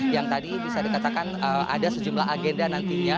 yang tadi bisa dikatakan ada sejumlah agenda nantinya